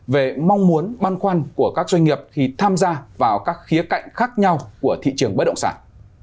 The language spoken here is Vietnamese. về mong muốn băn khoăn của các doanh nghiệp khi tham gia vào các khía cạnh khác nhau của thị trường bất động sản